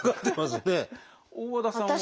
大和田さんは？